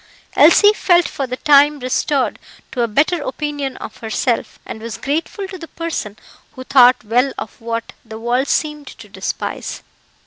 Elsie felt for the time restored to a better opinion of herself, and was grateful to the person who thought well of what the world seemed to despise.